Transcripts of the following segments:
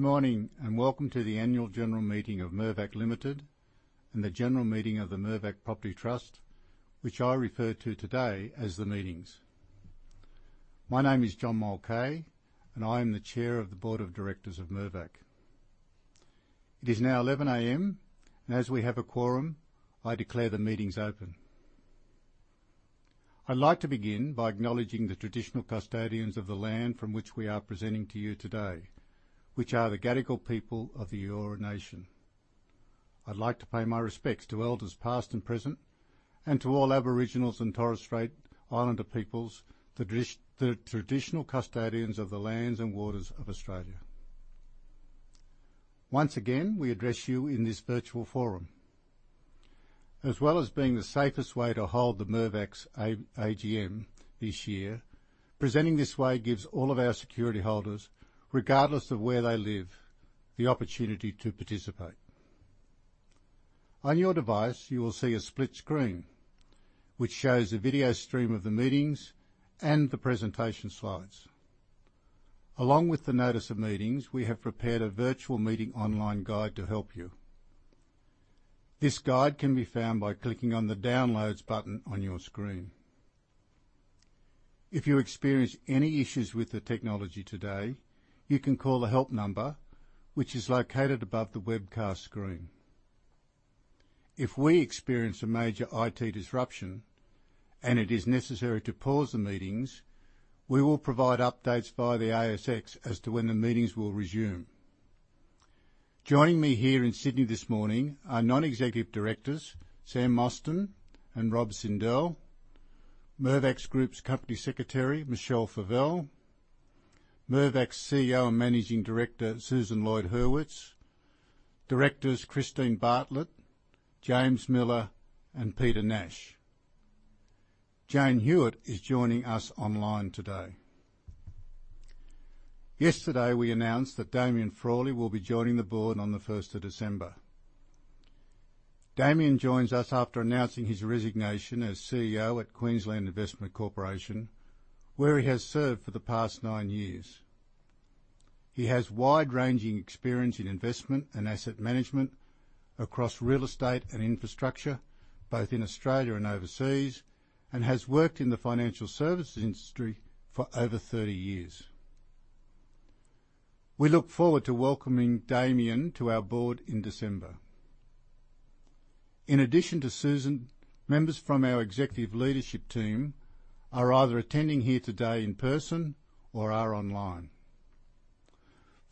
Good morning, and welcome to the Annual General Meeting of Mirvac Limited and the General Meeting of the Mirvac Property Trust, which I refer to today as the meetings. My name is John Mulcahy, and I am the Chair of the Board of Directors of Mirvac. It is now 11:00 A.M., and as we have a quorum, I declare the meetings open. I'd like to begin by acknowledging the traditional custodians of the land from which we are presenting to you today, which are the Gadigal people of the Eora Nation. I'd like to pay my respects to elders past and present, and to all Aboriginals and Torres Strait Islander peoples, the traditional custodians of the lands and waters of Australia. Once again, we address you in this virtual forum. As well as being the safest way to hold Mirvac's AGM this year, presenting this way gives all of our security holders, regardless of where they live, the opportunity to participate. On your device, you will see a split screen, which shows a video stream of the meetings and the presentation slides. Along with the notice of meetings, we have prepared a virtual meeting online guide to help you. This guide can be found by clicking on the Downloads button on your screen. If you experience any issues with the technology today, you can call the help number, which is located above the webcast screen. If we experience a major IT disruption and it is necessary to pause the meetings, we will provide updates via the ASX as to when the meetings will resume. Joining me here in Sydney this morning are Non-Executive Directors Sam Mostyn and Rob Sindel, Mirvac Group's Company Secretary Michelle Favelle, Mirvac's CEO and Managing Director Susan Lloyd-Hurwitz, Directors Christine Bartlett, James M. Millar, and Peter Nash. Jane Hewitt is joining us online today. Yesterday, we announced that Damien Frawley will be joining the board on the first of December. Damien joins us after announcing his resignation as CEO at Queensland Investment Corporation, where he has served for the past nine years. He has wide-ranging experience in investment and asset management across real estate and infrastructure, both in Australia and overseas, and has worked in the financial services industry for over thirty years. We look forward to welcoming Damien to our board in December. In addition to Susan, members from our executive leadership team are either attending here today in person or are online.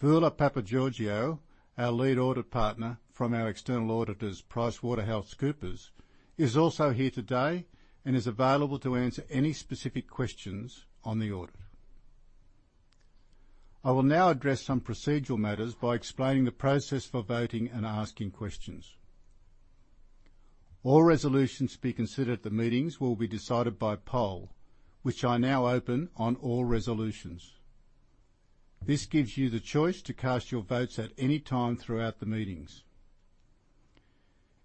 Voula Papageorgiou, our Lead Audit Partner from our external auditors, PricewaterhouseCoopers, is also here today and is available to answer any specific questions on the audit. I will now address some procedural matters by explaining the process for voting and asking questions. All resolutions to be considered at the meetings will be decided by poll, which I now open on all resolutions. This gives you the choice to cast your votes at any time throughout the meetings.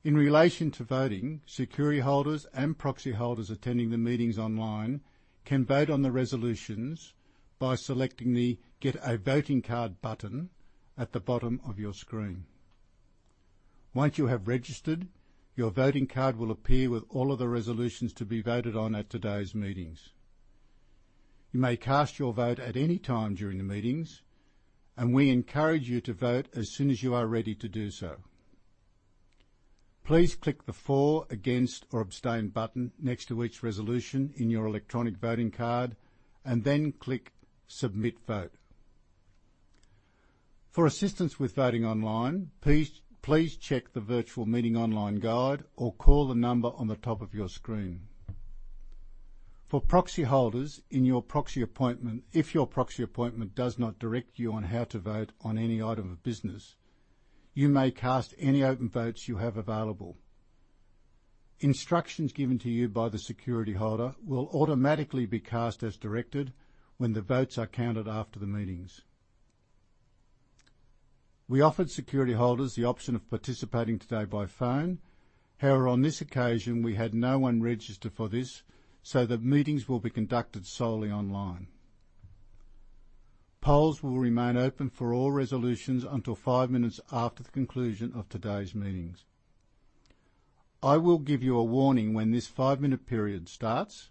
In relation to voting, security holders and proxy holders attending the meetings online can vote on the resolutions by selecting the Get a Voting Card button at the bottom of your screen. Once you have registered, your voting card will appear with all of the resolutions to be voted on at today's meetings. You may cast your vote at any time during the meetings, and we encourage you to vote as soon as you are ready to do so. Please click the For, Against, or Abstain button next to each resolution in your electronic voting card and then click Submit Vote. For assistance with voting online, please check the Virtual Meeting Online Guide or call the number on the top of your screen. For proxy holders, in your proxy appointment. If your proxy appointment does not direct you on how to vote on any item of business, you may cast any open votes you have available. Instructions given to you by the security holder will automatically be cast as directed when the votes are counted after the meetings. We offered security holders the option of participating today by phone. However, on this occasion, we had no one registered for this, so the meetings will be conducted solely online. Polls will remain open for all resolutions until five minutes after the conclusion of today's meetings. I will give you a warning when this five-minute period starts.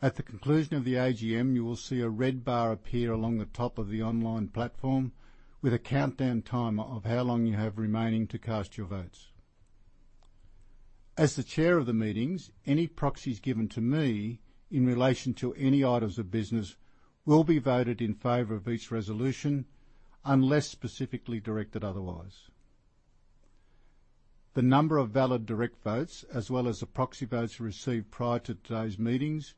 At the conclusion of the AGM, you will see a red bar appear along the top of the online platform with a countdown timer of how long you have remaining to cast your votes. As the chair of the meetings, any proxies given to me in relation to any items of business will be voted in favor of each resolution unless specifically directed otherwise. The number of valid direct votes, as well as the proxy votes received prior to today's meetings,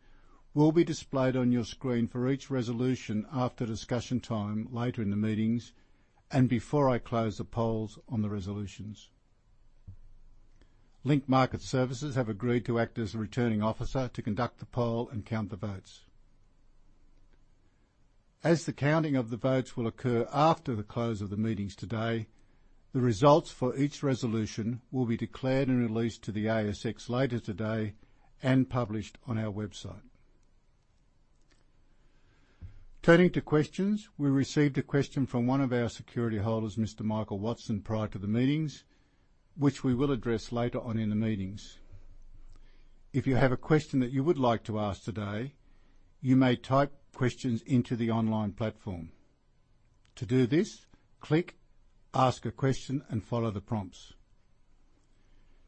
will be displayed on your screen for each resolution after discussion time later in the meetings and before I close the polls on the resolutions. Link Market Services have agreed to act as a returning officer to conduct the poll and count the votes. As the counting of the votes will occur after the close of the meetings today, the results for each resolution will be declared and released to the ASX later today and published on our website. Turning to questions. We received a question from one of our security holders, Mr. Michael Watson, prior to the meetings, which we will address later on in the meetings. If you have a question that you would like to ask today, you may type questions into the online platform. To do this, click Ask a Question and follow the prompts.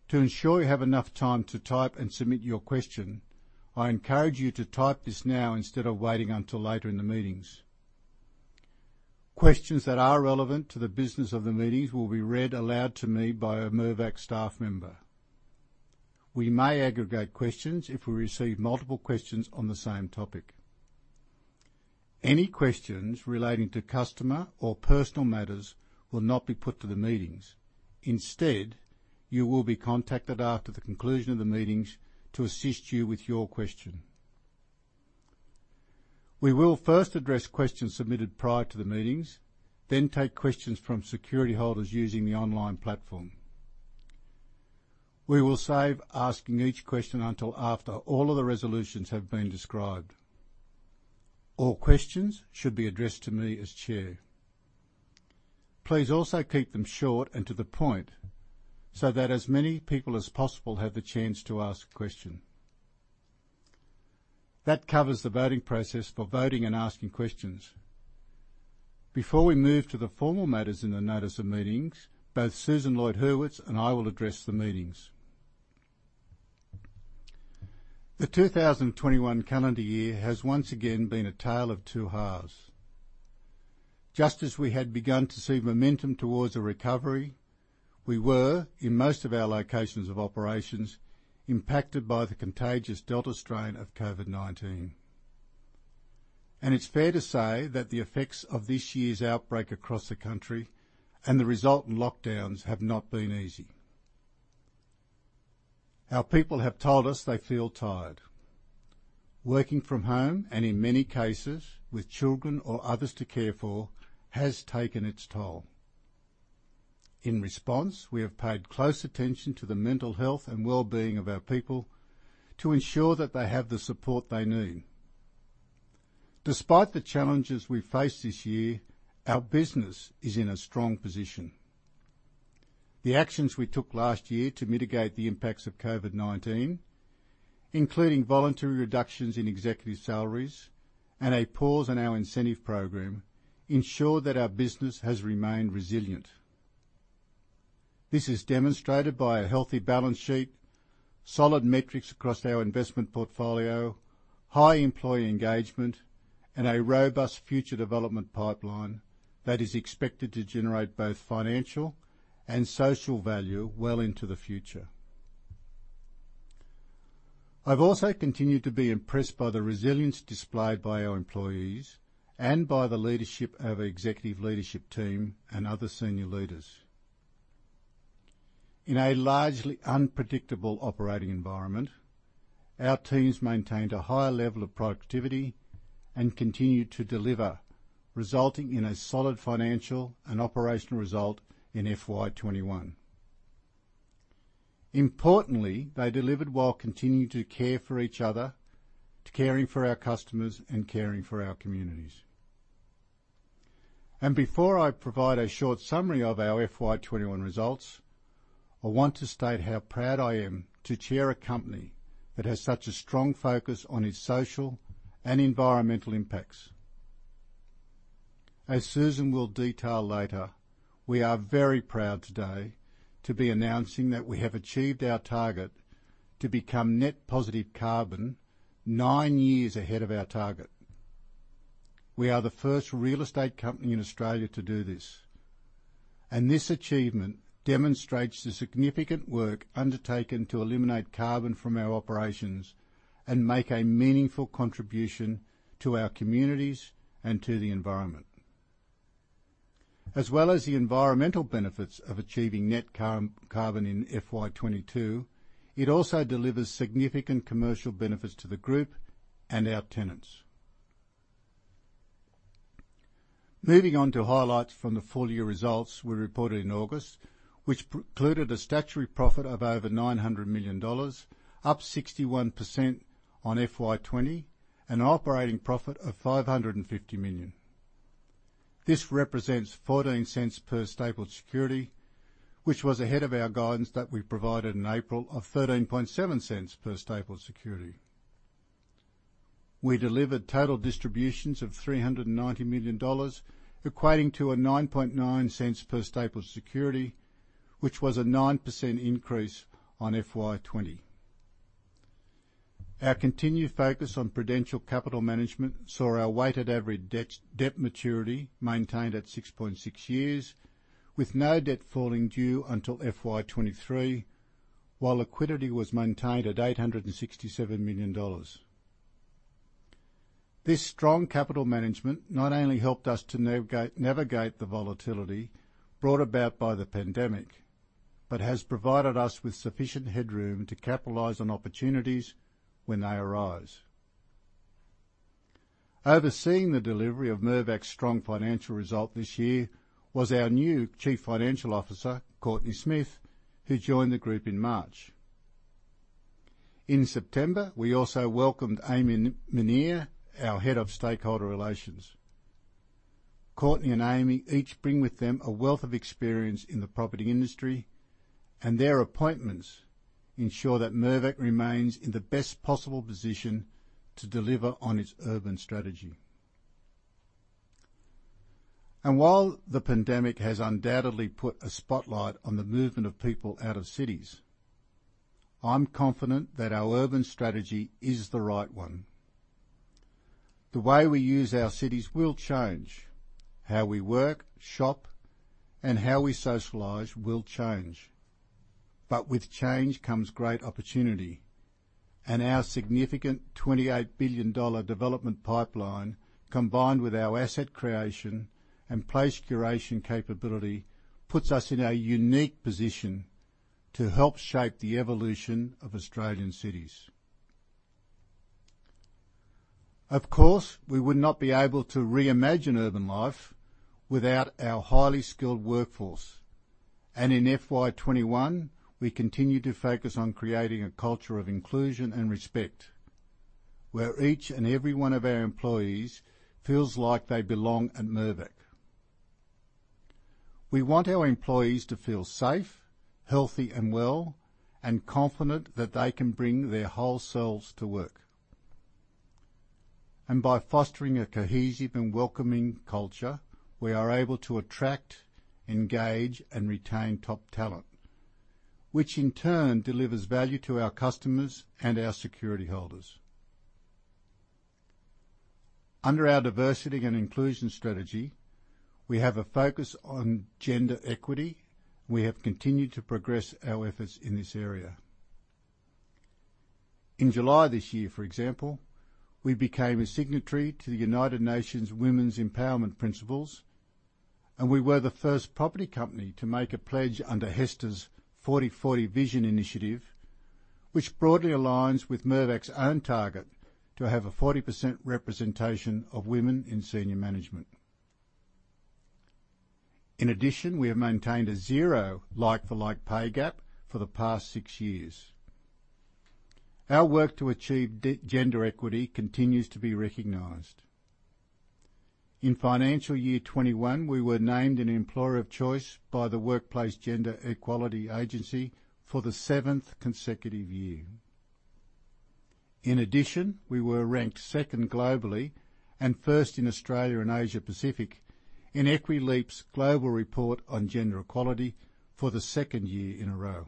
To ensure you have enough time to type and submit your question, I encourage you to type this now instead of waiting until later in the meetings. Questions that are relevant to the business of the meetings will be read aloud to me by a Mirvac staff member. We may aggregate questions if we receive multiple questions on the same topic. Any questions relating to customer or personal matters will not be put to the meetings. Instead, you will be contacted after the conclusion of the meetings to assist you with your question. We will first address questions submitted prior to the meetings, then take questions from security holders using the online platform. We will save asking each question until after all of the resolutions have been described. All questions should be addressed to me as Chair. Please also keep them short and to the point so that as many people as possible have the chance to ask a question. That covers the voting process for voting and asking questions. Before we move to the formal matters in the notice of meetings, both Susan Lloyd-Hurwitz and I will address the meetings. The 2021 calendar year has once again been a tale of two halves. Just as we had begun to see momentum towards a recovery, we were, in most of our locations of operations, impacted by the contagious Delta variant of COVID-19. It's fair to say that the effects of this year's outbreak across the country and the resultant lockdowns have not been easy. Our people have told us they feel tired. Working from home and in many cases with children or others to care for has taken its toll. In response, we have paid close attention to the mental health and well-being of our people to ensure that they have the support they need. Despite the challenges we faced this year, our business is in a strong position. The actions we took last year to mitigate the impacts of COVID-19, including voluntary reductions in executive salaries and a pause on our incentive program, ensure that our business has remained resilient. This is demonstrated by a healthy balance sheet, solid metrics across our investment portfolio, high employee engagement, and a robust future development pipeline that is expected to generate both financial and social value well into the future. I've also continued to be impressed by the resilience displayed by our employees and by the leadership of our executive leadership team and other senior leaders. In a largely unpredictable operating environment, our teams maintained a high level of productivity and continued to deliver, resulting in a solid financial and operational result in FY 2021. Importantly, they delivered while continuing to care for each other, to caring for our customers, and caring for our communities. Before I provide a short summary of our FY 2021 results, I want to state how proud I am to chair a company that has such a strong focus on its social and environmental impacts. As Susan will detail later, we are very proud today to be announcing that we have achieved our target to become net positive carbon nine years ahead of our target. We are the first real estate company in Australia to do this, and this achievement demonstrates the significant work undertaken to eliminate carbon from our operations and make a meaningful contribution to our communities and to the environment. As well as the environmental benefits of achieving net-zero carbon in FY 2022, it also delivers significant commercial benefits to the Group and our tenants. Moving on to highlights from the full year results we reported in August, which included a statutory profit of over 900 million dollars, up 61% on FY 2020, an operating profit of 550 million. This represents 0.14 per stapled security, which was ahead of our guidance that we provided in April of 0.137 per stapled security. We delivered total distributions of 390 million dollars, equating to 0.099 per stapled security, which was a 9% increase on FY 2020. Our continued focus on prudent capital management saw our weighted average debt maturity maintained at 6.6 years, with no debt falling due until FY 2023, while liquidity was maintained at 867 million dollars. This strong capital management not only helped us to navigate the volatility brought about by the pandemic, but has provided us with sufficient headroom to capitalize on opportunities when they arise. Overseeing the delivery of Mirvac's strong financial result this year was our new Chief Financial Officer, Courtenay Smith, who joined the group in March. In September, we also welcomed Amy Menere, our Head of Stakeholder Relations. Courtney and Amy each bring with them a wealth of experience in the property industry, and their appointments ensure that Mirvac remains in the best possible position to deliver on its urban strategy. While the pandemic has undoubtedly put a spotlight on the movement of people out of cities, I'm confident that our urban strategy is the right one. The way we use our cities will change. How we work, shop, and how we socialize will change. With change comes great opportunity, and our significant 28 billion dollar development pipeline, combined with our asset creation and place curation capability, puts us in a unique position to help shape the evolution of Australian cities. Of course, we would not be able to reimagine urban life without our highly skilled workforce. In FY 2021, we continued to focus on creating a culture of inclusion and respect, where each and every one of our employees feels like they belong at Mirvac. We want our employees to feel safe, healthy, and well, and confident that they can bring their whole selves to work. By fostering a cohesive and welcoming culture, we are able to attract, engage, and retain top talent, which in turn delivers value to our customers and our security holders. Under our diversity and inclusion strategy, we have a focus on gender equity. We have continued to progress our efforts in this area. In July this year, for example, we became a signatory to the United Nations Women's Empowerment Principles, and we were the first property company to make a pledge under HESTA's 40/40 Vision Initiative, which broadly aligns with Mirvac's own target to have a 40% representation of women in senior management. In addition, we have maintained a zero like-for-like pay gap for the past six years. Our work to achieve gender equity continues to be recognized. In financial year 2021, we were named an employer of choice by the Workplace Gender Equality Agency for the seventh consecutive year. In addition, we were ranked second globally and first in Australia and Asia Pacific in Equileap's global report on gender equality for the second year in a row.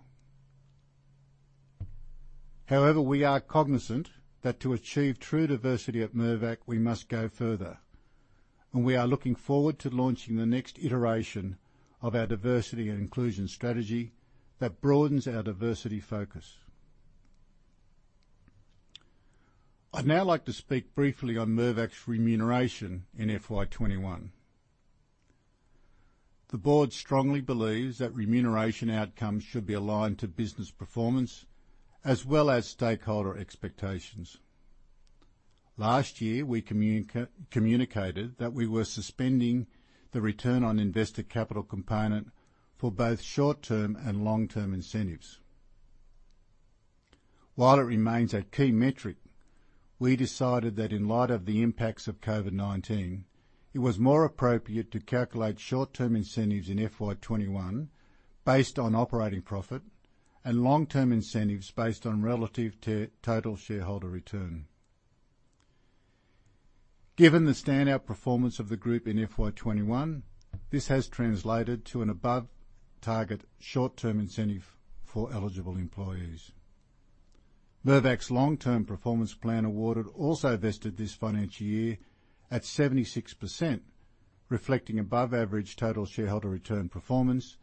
However, we are cognizant that to achieve true diversity at Mirvac, we must go further, and we are looking forward to launching the next iteration of our diversity and inclusion strategy that broadens our diversity focus. I'd now like to speak briefly on Mirvac's remuneration in FY 2021. The board strongly believes that remuneration outcomes should be aligned to business performance as well as stakeholder expectations. Last year, we communicated that we were suspending the return on invested capital component for both short-term and long-term incentives. While it remains a key metric, we decided that in light of the impacts of COVID-19, it was more appropriate to calculate short-term incentives in FY 2021 based on operating profit and long-term incentives based on relative total shareholder return. Given the standout performance of the group in FY 2021, this has translated to an above target short-term incentive for eligible employees. Mirvac's long-term performance plan awarded also vested this financial year at 76%, reflecting above average total shareholder return performance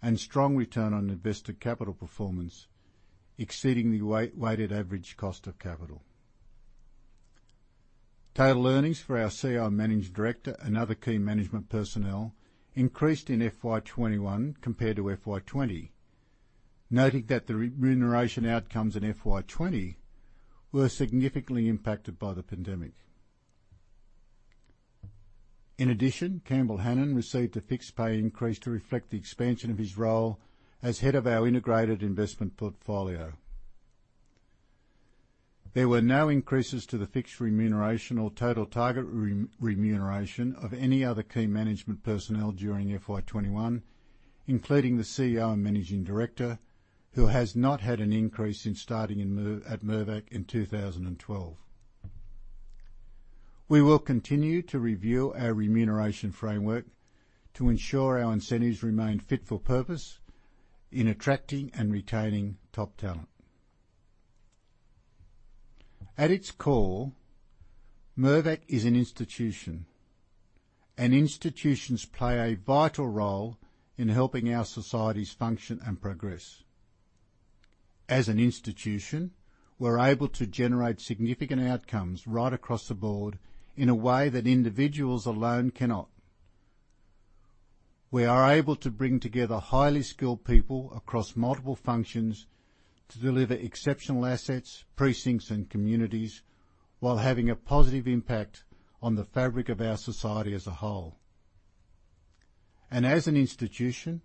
and strong return on invested capital performance, exceeding the weighted average cost of capital. Total earnings for our CEO and Managing Director and other key management personnel increased in FY 2021 compared to FY 2020, noting that the remuneration outcomes in FY 2020 were significantly impacted by the pandemic. In addition, Campbell Hanan received a fixed pay increase to reflect the expansion of his role as head of our integrated investment portfolio. There were no increases to the fixed remuneration or total target remuneration of any other key management personnel during FY 2021, including the CEO and Managing Director, who has not had an increase since starting at Mirvac in 2012. We will continue to review our remuneration framework to ensure our incentives remain fit for purpose in attracting and retaining top talent. At its core, Mirvac is an institution, and institutions play a vital role in helping our societies function and progress. As an institution, we're able to generate significant outcomes right across the board in a way that individuals alone cannot. We are able to bring together highly skilled people across multiple functions to deliver exceptional assets, precincts, and communities while having a positive impact on the fabric of our society as a whole. As an institution,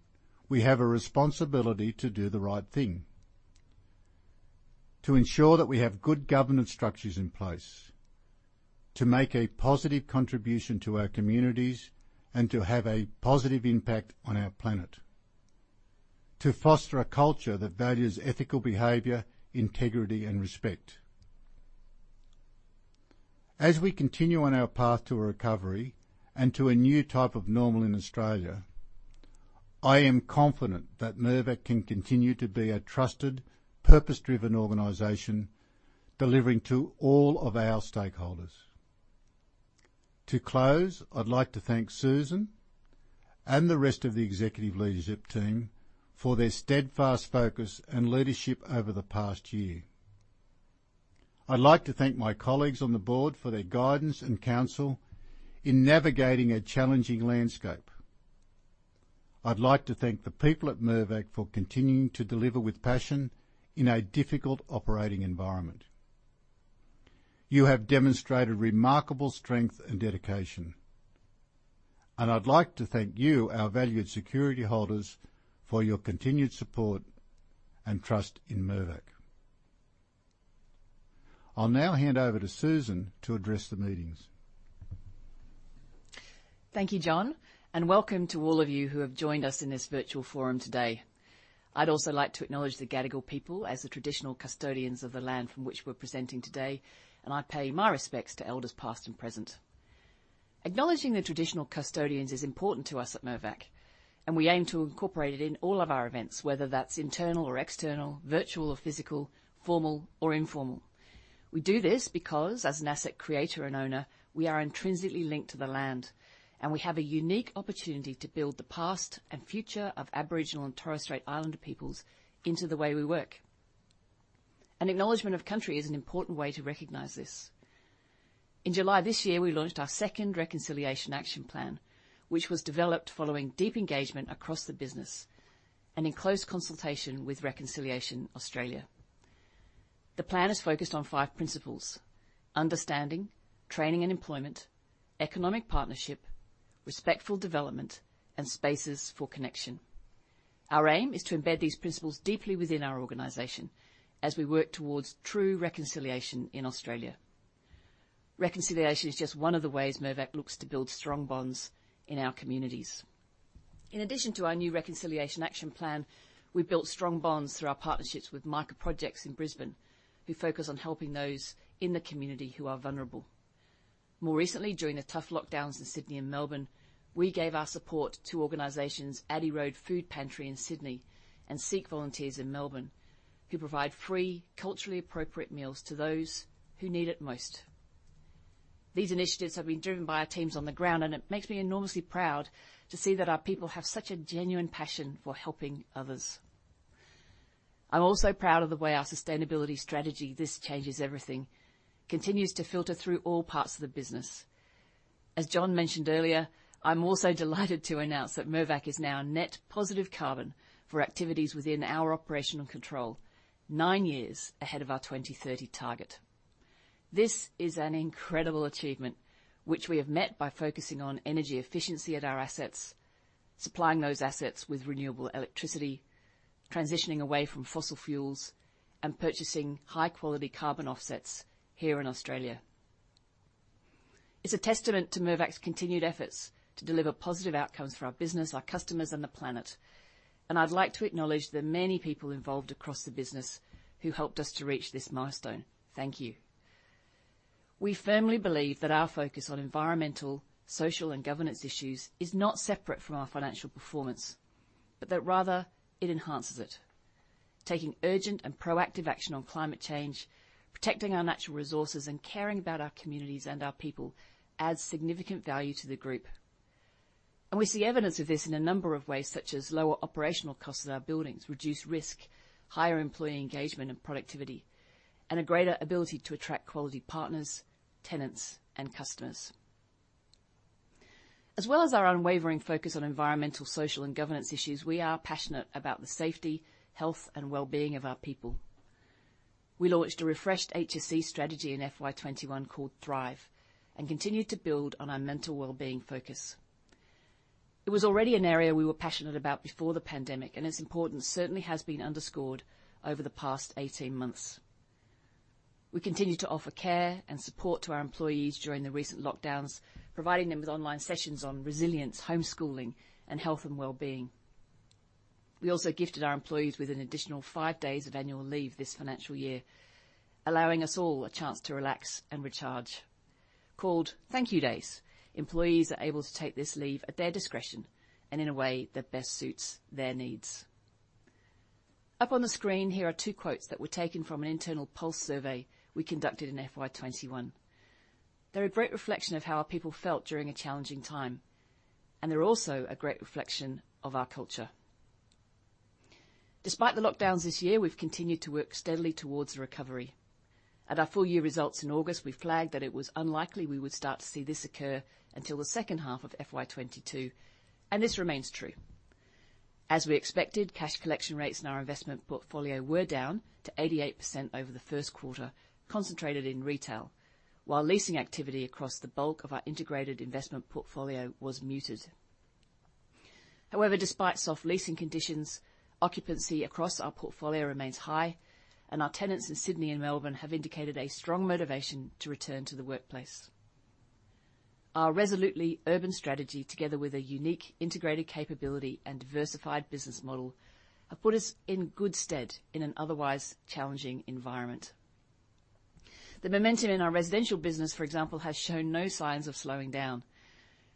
we have a responsibility to do the right thing, to ensure that we have good governance structures in place, to make a positive contribution to our communities, and to have a positive impact on our planet, to foster a culture that values ethical behavior, integrity, and respect. As we continue on our path to recovery and to a new type of normal in Australia, I am confident that Mirvac can continue to be a trusted, purpose-driven organization delivering to all of our stakeholders. To close, I'd like to thank Susan and the rest of the executive leadership team for their steadfast focus and leadership over the past year. I'd like to thank my colleagues on the board for their guidance and counsel in navigating a challenging landscape. I'd like to thank the people at Mirvac for continuing to deliver with passion in a difficult operating environment. You have demonstrated remarkable strength and dedication, and I'd like to thank you, our valued security holders for your continued support and trust in Mirvac. I'll now hand over to Susan to address the meetings. Thank you, John, and welcome to all of you who have joined us in this virtual forum today. I'd also like to acknowledge the Gadigal people as the traditional custodians of the land from which we're presenting today, and I pay my respects to elders, past and present. Acknowledging the traditional custodians is important to us at Mirvac, and we aim to incorporate it in all of our events, whether that's internal or external, virtual or physical, formal or informal. We do this because as an asset creator and owner, we are intrinsically linked to the land, and we have a unique opportunity to build the past and future of Aboriginal and Torres Strait Islander peoples into the way we work. An acknowledgment of country is an important way to recognize this. In July this year, we launched our second Reconciliation Action Plan, which was developed following deep engagement across the business and in close consultation with Reconciliation Australia. The plan is focused on five principles. Understanding, training and employment, economic partnership, respectful development, and spaces for connection. Our aim is to embed these principles deeply within our organization as we work towards true reconciliation in Australia. Reconciliation is just one of the ways Mirvac looks to build strong bonds in our communities. In addition to our new Reconciliation Action Plan, we built strong bonds through our partnerships with Micah Projects in Brisbane, who focus on helping those in the community who are vulnerable. More recently, during the tough lockdowns in Sydney and Melbourne, we gave our support to organizations Addison Road Food Pantry in Sydney and Sikh Volunteers Australia in Melbourne, who provide free, culturally appropriate meals to those who need it most. These initiatives have been driven by our teams on the ground, and it makes me enormously proud to see that our people have such a genuine passion for helping others. I'm also proud of the way our sustainability strategy, This Changes Everything, continues to filter through all parts of the business. As John mentioned earlier, I'm also delighted to announce that Mirvac is now net positive carbon for activities within our operational control, nine years ahead of our 2030 target. This is an incredible achievement which we have met by focusing on energy efficiency at our assets, supplying those assets with renewable electricity, transitioning away from fossil fuels, and purchasing high quality carbon offsets here in Australia. It's a testament to Mirvac's continued efforts to deliver positive outcomes for our business, our customers, and the planet, and I'd like to acknowledge the many people involved across the business who helped us to reach this milestone. Thank you. We firmly believe that our focus on environmental, social, and governance issues is not separate from our financial performance, but that rather it enhances it. Taking urgent and proactive action on climate change, protecting our natural resources, and caring about our communities and our people adds significant value to the group. We see evidence of this in a number of ways, such as lower operational costs of our buildings, reduced risk, higher employee engagement and productivity, and a greater ability to attract quality partners, tenants, and customers. As well as our unwavering focus on environmental, social, and governance issues, we are passionate about the safety, health, and well-being of our people. We launched a refreshed HSE strategy in FY 2021 called Thrive and continued to build on our mental well-being focus. It was already an area we were passionate about before the pandemic, and its importance certainly has been underscored over the past 18 months. We continue to offer care and support to our employees during the recent lockdowns, providing them with online sessions on resilience, homeschooling, and health and well-being. We also gifted our employees with an additional five days of annual leave this financial year, allowing us all a chance to relax and recharge. Called Thank You Days, employees are able to take this leave at their discretion and in a way that best suits their needs. Up on the screen here are two quotes that were taken from an internal pulse survey we conducted in FY 2021. They're a great reflection of how our people felt during a challenging time, and they're also a great reflection of our culture. Despite the lockdowns this year, we've continued to work steadily towards a recovery. At our full year results in August, we flagged that it was unlikely we would start to see this occur until the second half of FY 2022, and this remains true. As we expected, cash collection rates in our investment portfolio were down to 88% over the first quarter, concentrated in retail, while leasing activity across the bulk of our integrated investment portfolio was muted. However, despite soft leasing conditions, occupancy across our portfolio remains high, and our tenants in Sydney and Melbourne have indicated a strong motivation to return to the workplace. Our resolutely urban strategy, together with a unique integrated capability and diversified business model, have put us in good stead in an otherwise challenging environment. The momentum in our residential business, for example, has shown no signs of slowing down.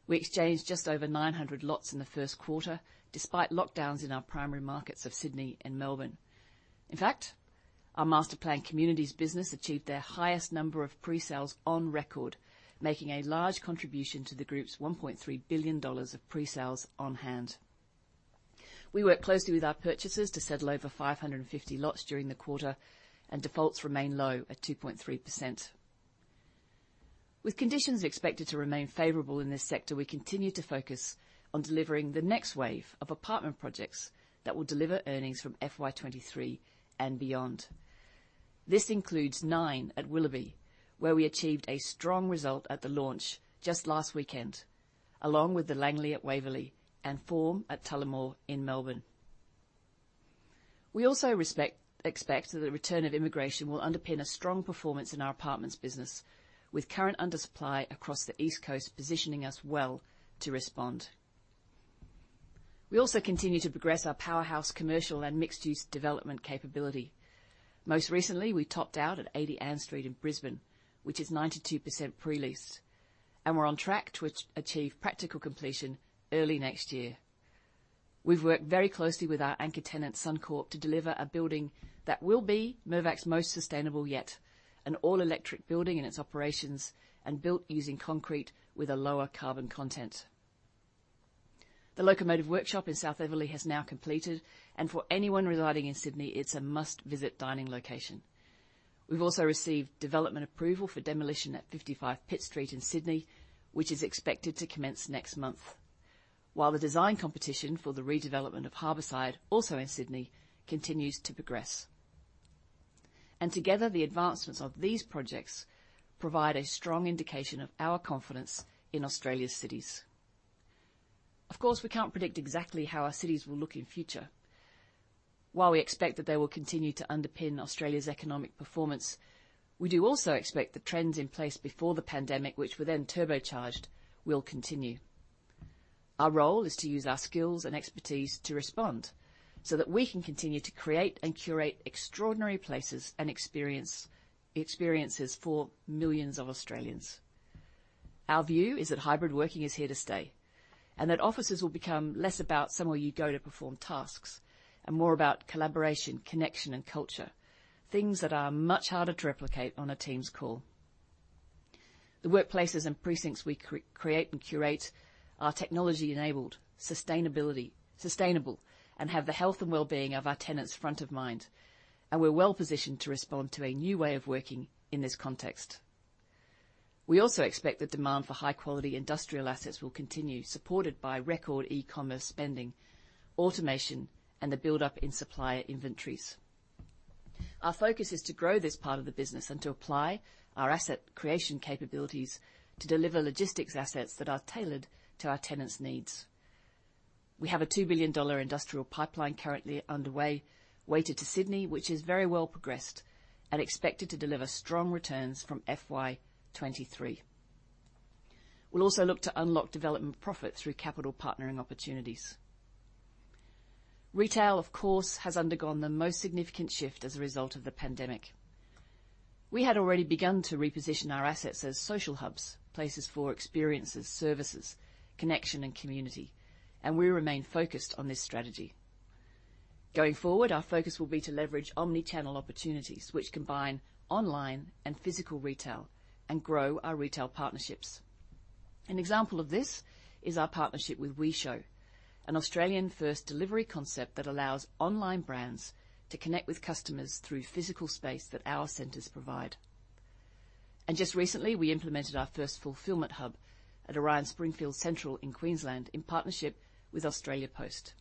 We exchanged just over 900 lots in the first quarter, despite lockdowns in our primary markets of Sydney and Melbourne. In fact, our master planned communities business achieved their highest number of pre-sales on record, making a large contribution to the group's 1.3 billion dollars of pre-sales on hand. We work closely with our purchasers to settle over 550 lots during the quarter, and defaults remain low at 2.3%. With conditions expected to remain favorable in this sector, we continue to focus on delivering the next wave of apartment projects that will deliver earnings from FY 2023 and beyond. This includes Nine at Willoughby, where we achieved a strong result at the launch just last weekend, along with The Langlee at Waverley and Forme at Tullamore in Melbourne. We also expect that the return of immigration will underpin a strong performance in our apartments business, with current undersupply across the East Coast positioning us well to respond. We also continue to progress our powerhouse commercial and mixed-use development capability. Most recently, we topped out at 80 Ann Street in Brisbane, which is 92% pre-leased, and we're on track to achieve practical completion early next year. We've worked very closely with our anchor tenant, Suncorp, to deliver a building that will be Mirvac's most sustainable yet, an all-electric building in its operations and built using concrete with a lower carbon content. The Locomotive Workshop in South Eveleigh has now completed, and for anyone residing in Sydney, it's a must-visit dining location. We've also received development approval for demolition at 55 Pitt Street in Sydney, which is expected to commence next month. While the design competition for the redevelopment of Harbourside, also in Sydney, continues to progress. Together, the advancements of these projects provide a strong indication of our confidence in Australia's cities. Of course, we can't predict exactly how our cities will look in future. While we expect that they will continue to underpin Australia's economic performance, we do also expect the trends in place before the pandemic, which were then turbocharged, will continue. Our role is to use our skills and expertise to respond so that we can continue to create and curate extraordinary places and experiences for millions of Australians. Our view is that hybrid working is here to stay, and that offices will become less about somewhere you go to perform tasks and more about collaboration, connection, and culture, things that are much harder to replicate on a Teams call. The workplaces and precincts we create and curate are technology-enabled, sustainable and have the health and wellbeing of our tenants front of mind, and we're well-positioned to respond to a new way of working in this context. We also expect the demand for high-quality industrial assets will continue, supported by record e-commerce spending, automation, and the buildup in supplier inventories. Our focus is to grow this part of the business and to apply our asset creation capabilities to deliver logistics assets that are tailored to our tenants' needs. We have an 2 billion dollar industrial pipeline currently underway, weighted to Sydney, which is very well progressed and expected to deliver strong returns from FY 2023. We'll also look to unlock development profit through capital partnering opportunities. Retail, of course, has undergone the most significant shift as a result of the pandemic. We had already begun to reposition our assets as social hubs, places for experiences, services, connection, and community, and we remain focused on this strategy. Going forward, our focus will be to leverage omni-channel opportunities which combine online and physical retail and grow our retail partnerships. An example of this is our partnership with WeShow, an Australian first delivery concept that allows online brands to connect with customers through physical space that our centers provide. Just recently, we implemented our first fulfillment hub at Orion Springfield Central in Queensland in partnership with Australia Post.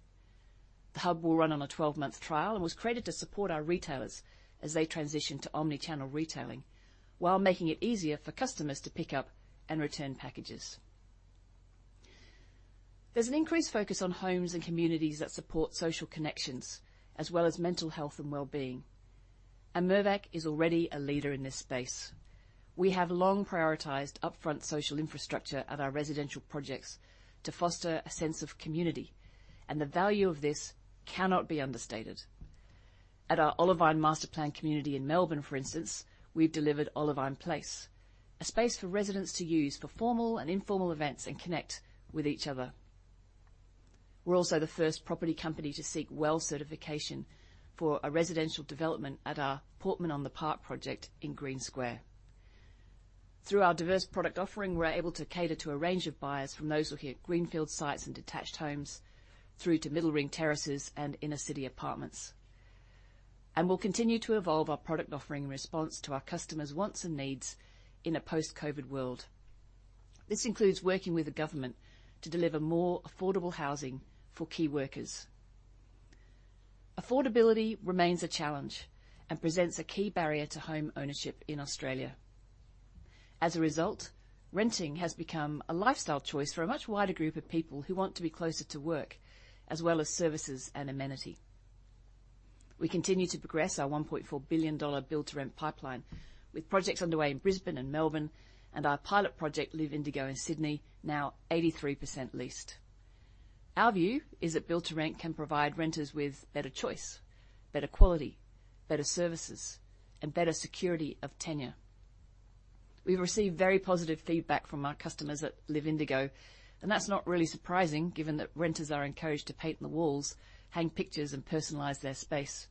The hub will run on a 12-month trial and was created to support our retailers as they transition to omni-channel retailing while making it easier for customers to pick up and return packages. There's an increased focus on homes and communities that support social connections as well as mental health and wellbeing, and Mirvac is already a leader in this space. We have long prioritized upfront social infrastructure at our residential projects to foster a sense of community, and the value of this cannot be understated. At our Olivine master planned community in Melbourne, for instance, we've delivered Olivine Place, a space for residents to use for formal and informal events and connect with each other. We're also the first property company to seek WELL certification for a residential development at our Portman on the Park project in Green Square. Through our diverse product offering, we're able to cater to a range of buyers from those looking at greenfield sites and detached homes through to middle-ring terraces and inner-city apartments. We'll continue to evolve our product offering in response to our customers' wants and needs in a post-COVID world. This includes working with the government to deliver more affordable housing for key workers. Affordability remains a challenge and presents a key barrier to home ownership in Australia. As a result, renting has become a lifestyle choice for a much wider group of people who want to be closer to work, as well as services and amenity. We continue to progress our AUD 1.4 billion build-to-rent pipeline with projects underway in Brisbane and Melbourne and our pilot project LIV Indigo in Sydney now 83% leased. Our view is that build to rent can provide renters with better choice, better quality, better services, and better security of tenure. We've received very positive feedback from our customers at LIV Indigo, and that's not really surprising given that renters are encouraged to paint the walls, hang pictures, and personalize their space.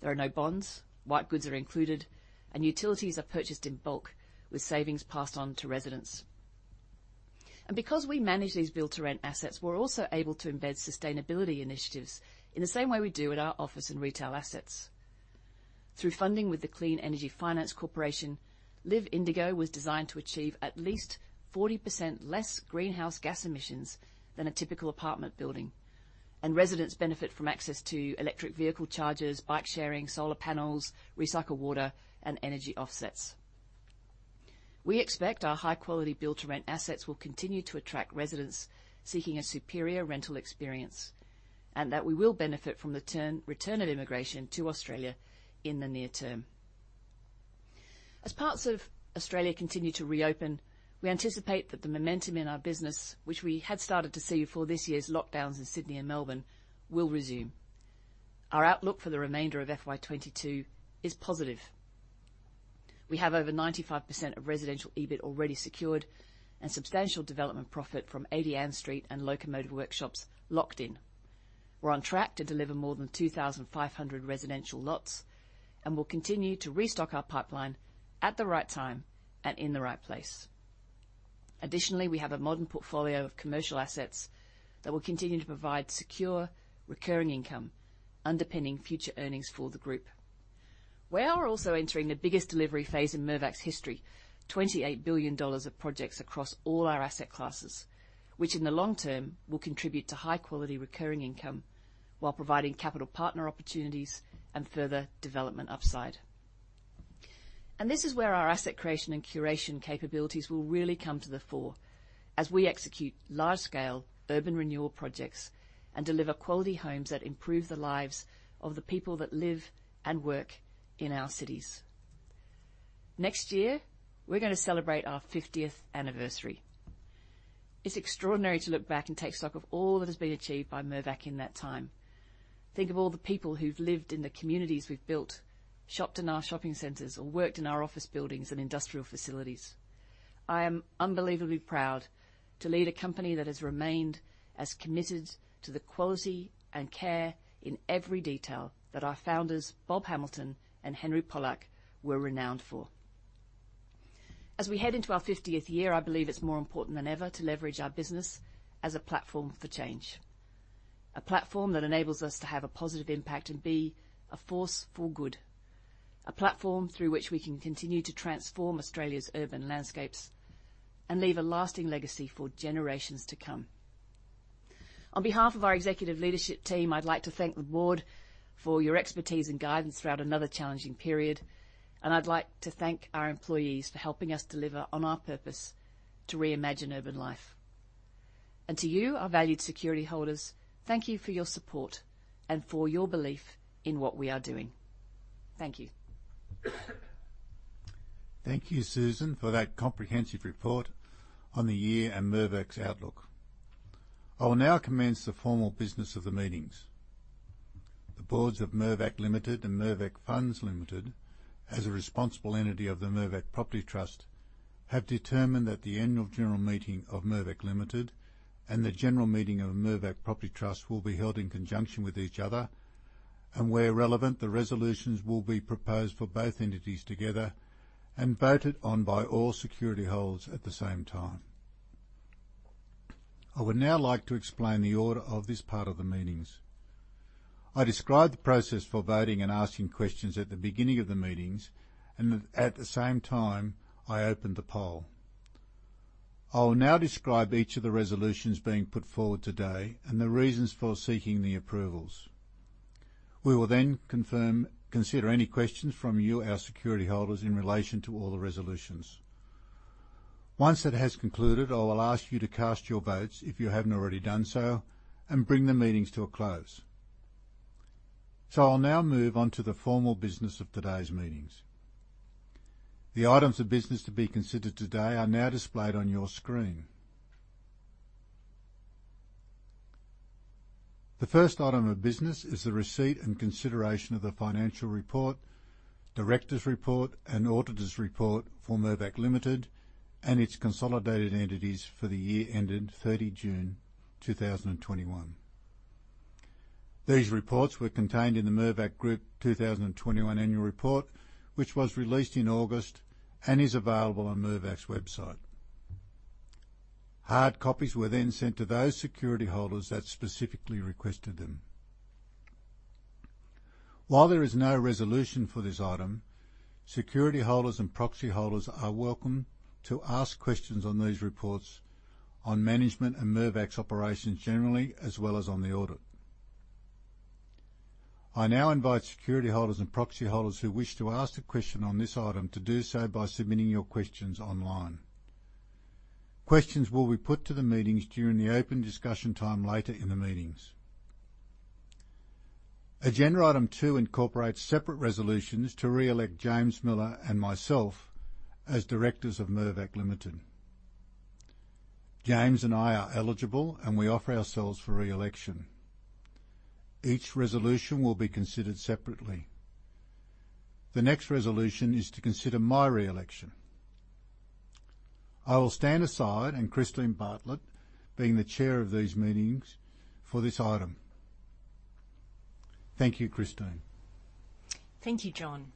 There are no bonds, white goods are included, and utilities are purchased in bulk with savings passed on to residents. Because we manage these build-to-rent assets, we're also able to embed sustainability initiatives in the same way we do at our office and retail assets. Through funding with the Clean Energy Finance Corporation, LIV Indigo was designed to achieve at least 40% less greenhouse gas emissions than a typical apartment building, and residents benefit from access to electric vehicle chargers, bike sharing, solar panels, recycled water, and energy offsets. We expect our high-quality build-to-rent assets will continue to attract residents seeking a superior rental experience and that we will benefit from the return of immigration to Australia in the near term. As parts of Australia continue to reopen, we anticipate that the momentum in our business, which we had started to see before this year's lockdowns in Sydney and Melbourne, will resume. Our outlook for the remainder of FY 2022 is positive. We have over 95% of residential EBIT already secured and substantial development profit from 80 Ann Street and Locomotive Workshop locked in. We're on track to deliver more than 2,500 residential lots, and we'll continue to restock our pipeline at the right time and in the right place. Additionally, we have a modern portfolio of commercial assets that will continue to provide secure recurring income, underpinning future earnings for the group. We are also entering the biggest delivery phase in Mirvac's history. 28 billion dollars of projects across all our asset classes, which in the long term will contribute to high-quality recurring income while providing capital partner opportunities and further development upside. This is where our asset creation and curation capabilities will really come to the fore as we execute large-scale urban renewal projects and deliver quality homes that improve the lives of the people that live and work in our cities. Next year, we're gonna celebrate our fiftieth anniversary. It's extraordinary to look back and take stock of all that has been achieved by Mirvac in that time. Think of all the people who've lived in the communities we've built, shopped in our shopping centers, or worked in our office buildings and industrial facilities. I am unbelievably proud to lead a company that has remained as committed to the quality and care in every detail that our founders, Bob Hamilton and Henry Pollack, were renowned for. As we head into our 50th year, I believe it's more important than ever to leverage our business as a platform for change. A platform that enables us to have a positive impact and be a force for good, a platform through which we can continue to transform Australia's urban landscapes and leave a lasting legacy for generations to come. On behalf of our executive leadership team, I'd like to thank the board for your expertise and guidance throughout another challenging period, and I'd like to thank our employees for helping us deliver on our purpose to reimagine urban life. To you, our valued security holders, thank you for your support and for your belief in what we are doing. Thank you. Thank you, Susan, for that comprehensive report on the year and Mirvac's outlook. I will now commence the formal business of the meetings. The boards of Mirvac Limited and Mirvac Funds Limited, as a responsible entity of the Mirvac Property Trust, have determined that the annual general meeting of Mirvac Limited and the general meeting of Mirvac Property Trust will be held in conjunction with each other. Where relevant, the resolutions will be proposed for both entities together and voted on by all security holders at the same time. I would now like to explain the order of this part of the meetings. I described the process for voting and asking questions at the beginning of the meetings, and at the same time, I opened the poll. I will now describe each of the resolutions being put forward today and the reasons for seeking the approvals. We will then consider any questions from you, our security holders, in relation to all the resolutions. Once that has concluded, I will ask you to cast your votes if you haven't already done so and bring the meetings to a close. I'll now move on to the formal business of today's meetings. The items of business to be considered today are now displayed on your screen. The first item of business is the receipt and consideration of the financial report, directors' report, and auditors' report for Mirvac Limited and its consolidated entities for the year ended 30 June 2021. These reports were contained in the Mirvac Group 2021 annual report, which was released in August and is available on Mirvac's website. Hard copies were then sent to those security holders that specifically requested them. While there is no resolution for this item, security holders and proxy holders are welcome to ask questions on these reports on management and Mirvac's operations generally, as well as on the audit. I now invite security holders and proxy holders who wish to ask a question on this item to do so by submitting your questions online. Questions will be put to the meetings during the open discussion time later in the meetings. Agenda Item two incorporates separate resolutions to re-elect James Millar and myself as directors of Mirvac Limited. James and I are eligible, and we offer ourselves for re-election. Each resolution will be considered separately. The next resolution is to consider my re-election. I will stand aside, and Christine Bartlett, being the chair of these meetings for this item. Thank you, Christine. Thank you, John.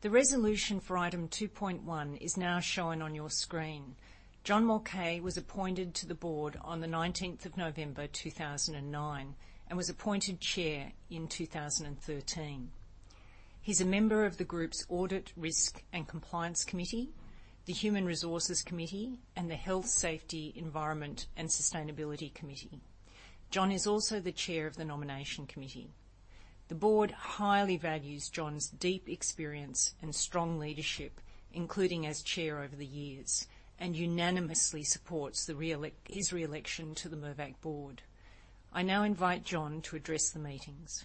The resolution for item 2.1 is now shown on your screen. John Mulcahy was appointed to the board on the 19th of November 2009 and was appointed chair in 2013. He's a member of the group's Audit, Risk and Compliance Committee, the Human Resources Committee, and the Health, Safety, Environment and Sustainability Committee. John is also the chair of the Nomination Committee. The board highly values John's deep experience and strong leadership, including as chair over the years, and unanimously supports his re-election to the Mirvac board. I now invite John to address the meetings.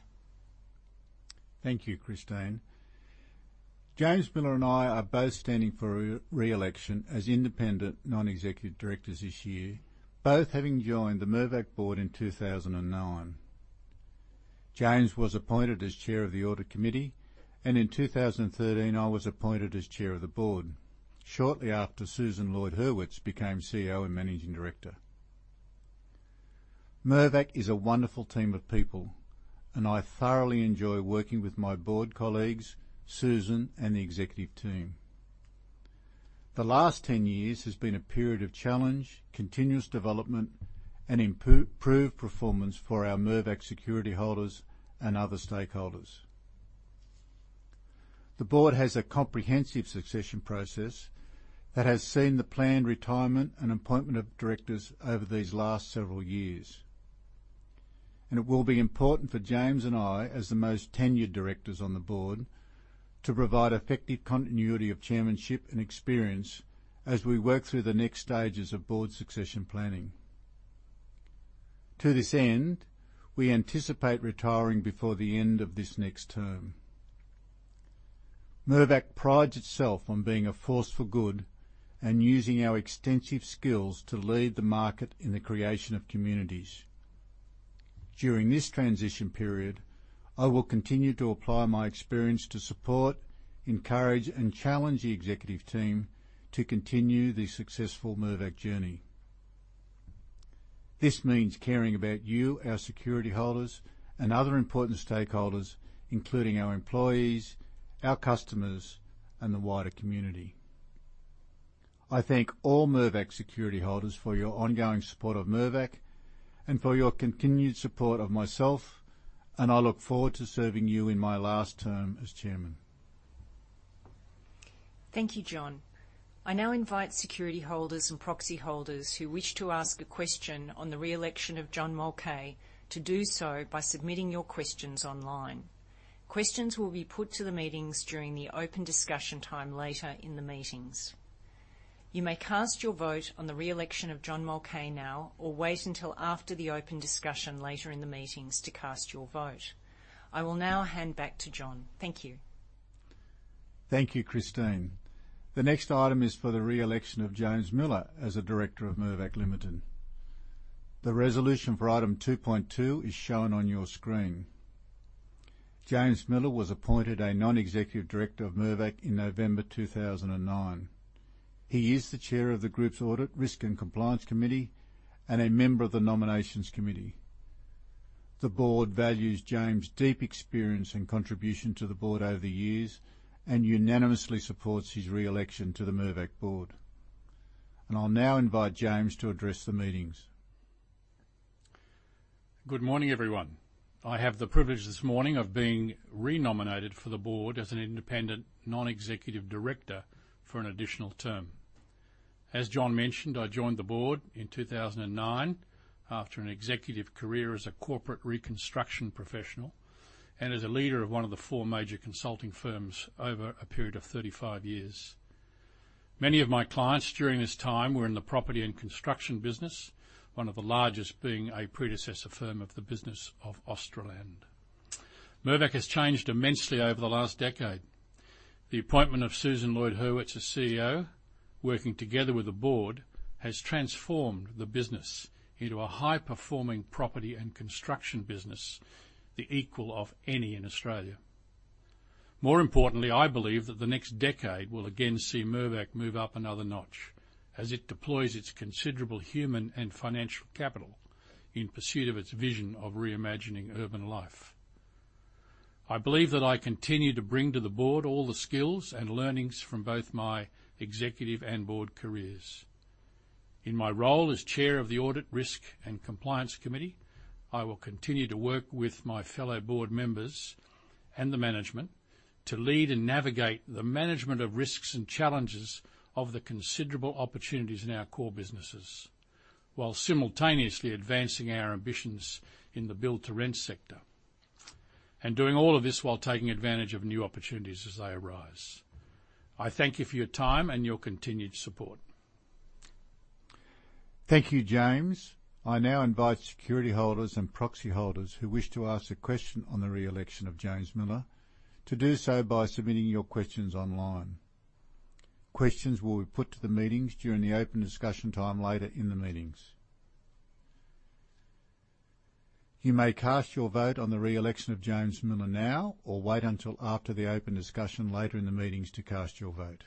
Thank you, Christine. James Millar and I are both standing for re-election as independent non-executive directors this year, both having joined the Mirvac board in 2009. James was appointed as Chair of the Audit Committee, and in 2013, I was appointed as Chair of the Board. Shortly after, Susan Lloyd-Hurwitz became CEO and Managing Director. Mirvac is a wonderful team of people, and I thoroughly enjoy working with my board colleagues, Susan, and the executive team. The last 10 years has been a period of challenge, continuous development, and improved performance for our Mirvac security holders and other stakeholders. The board has a comprehensive succession process that has seen the planned retirement and appointment of directors over these last several years. It will be important for James and I, as the most tenured directors on the board, to provide effective continuity of chairmanship and experience as we work through the next stages of board succession planning. To this end, we anticipate retiring before the end of this next term. Mirvac prides itself on being a force for good and using our extensive skills to lead the market in the creation of communities. During this transition period, I will continue to apply my experience to support, encourage, and challenge the executive team to continue the successful Mirvac journey. This means caring about you, our security holders, and other important stakeholders, including our employees, our customers, and the wider community. I thank all Mirvac security holders for your ongoing support of Mirvac and for your continued support of myself, and I look forward to serving you in my last term as chairman. Thank you, John. I now invite security holders and proxy holders who wish to ask a question on the re-election of John Mulcahy to do so by submitting your questions online. Questions will be put to the meetings during the open discussion time later in the meetings. You may cast your vote on the re-election of John Mulcahy now or wait until after the open discussion later in the meetings to cast your vote. I will now hand back to John. Thank you. Thank you, Christine. The next item is for the re-election of James Millar as a Director of Mirvac Limited. The resolution for item 2.2 is shown on your screen. James M. Millar was appointed a Non-Executive Director of Mirvac in November 2009. He is the Chair of the group's Audit, Risk and Compliance Committee and a member of the Nomination Committee. The board values James' deep experience and contribution to the board over the years and unanimously supports his re-election to the Mirvac board. I'll now invite James to address the meetings. Good morning, everyone. I have the privilege this morning of being re-nominated for the board as an independent non-executive director for an additional term. As John mentioned, I joined the board in 2009 after an executive career as a corporate reconstruction professional and as a leader of one of the four major consulting firms over a period of 35 years. Many of my clients during this time were in the property and construction business, one of the largest being a predecessor firm of the business of Australand. Mirvac has changed immensely over the last decade. The appointment of Susan Lloyd-Hurwitz as CEO, working together with the board, has transformed the business into a high-performing property and construction business, the equal of any in Australia. More importantly, I believe that the next decade will again see Mirvac move up another notch as it deploys its considerable human and financial capital in pursuit of its vision of reimagining urban life. I believe that I continue to bring to the board all the skills and learnings from both my executive and board careers. In my role as Chair of the Audit, Risk and Compliance Committee, I will continue to work with my fellow board members and the management to lead and navigate the management of risks and challenges of the considerable opportunities in our core businesses, while simultaneously advancing our ambitions in the build-to-rent sector, and doing all of this while taking advantage of new opportunities as they arise. I thank you for your time and your continued support. Thank you, James. I now invite security holders and proxy holders who wish to ask a question on the re-election of James Millar to do so by submitting your questions online. Questions will be put to the meetings during the open discussion time later in the meetings. You may cast your vote on the re-election of James Millar now or wait until after the open discussion later in the meetings to cast your vote.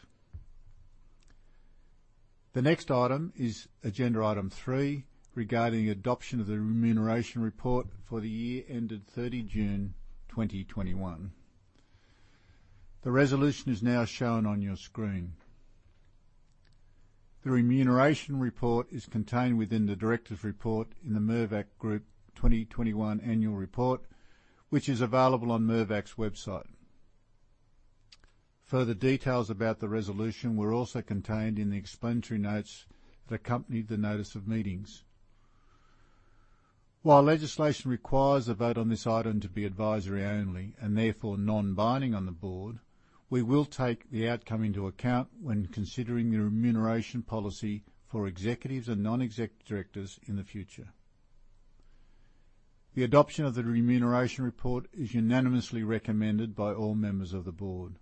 The next item is agenda item three regarding adoption of the remuneration report for the year ended 30 June 2021. The resolution is now shown on your screen. The remuneration report is contained within the directors' report in the Mirvac Group 2021 annual report, which is available on Mirvac's website. Further details about the resolution were also contained in the explanatory notes that accompanied the notice of meetings. While legislation requires a vote on this item to be advisory only, and therefore non-binding on the board, we will take the outcome into account when considering the remuneration policy for executives and non-executive directors in the future. The adoption of the remuneration report is unanimously recommended by all members of the board.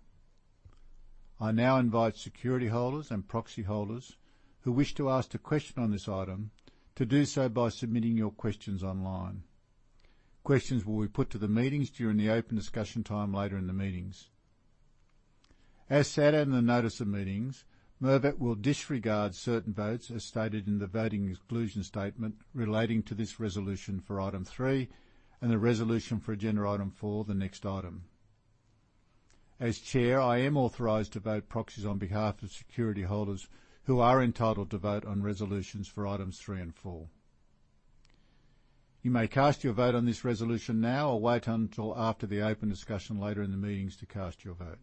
I now invite security holders and proxy holders who wish to ask a question on this item to do so by submitting your questions online. Questions will be put to the meetings during the open discussion time later in the meetings. As stated in the notice of meetings, Mirvac will disregard certain votes, as stated in the voting exclusion statement relating to this resolution for item three and the resolution for agenda item four, the next item. As Chair, I am authorized to vote proxies on behalf of security holders who are entitled to vote on resolutions for items three and four. You may cast your vote on this resolution now or wait until after the open discussion later in the meetings to cast your vote.